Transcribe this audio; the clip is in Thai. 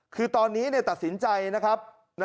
คือตอนนี้ตัดสินใจนะครับ